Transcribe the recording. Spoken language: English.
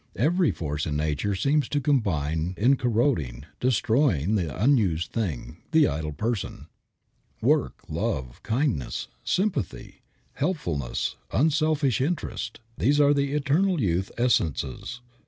Every force in nature seems to combine in corroding, destroying the unused thing, the idle person. Work, love, kindness, sympathy, helpfulness, unselfish interest these are the eternal youth essences.